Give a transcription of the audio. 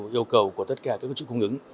yêu cầu của tất cả các cơ chức cung ứng